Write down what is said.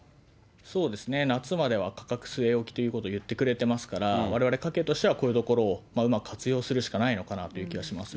そうですね、夏までは価格据え置きということを言ってくれてますから、われわれ家計としては、こういうところをうまく活用するしかないのかなという気がします